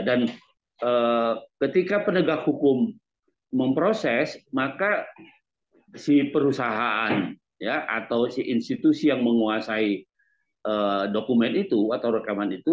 dan ketika penegak hukum memproses maka si perusahaan atau si institusi yang menguasai dokumen itu atau rekaman itu